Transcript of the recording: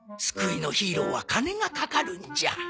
救いのヒーローは金がかかるんじゃ。